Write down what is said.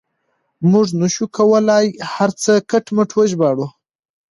موږ نه شو کولای هر څه کټ مټ وژباړو.